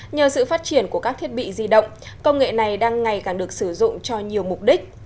nhờ sự phát triển của các thiết bị di động công nghệ này đang ngày càng được sử dụng cho nhiều mục đích